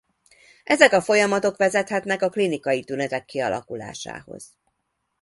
Ezek a folyamatok vezethetnek a klinikai tünetek kialakulásához.